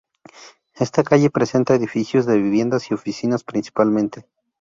Esta calle presenta edificios de viviendas y oficinas principalmente.